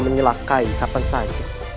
menyelakai kapan saja